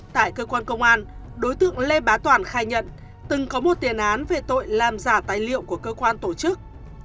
tại cơ quan công an đối tượng lê bá toàn khai nhận từng có một tiền án về tội làm giả tài liệu của cơ quan tổ chức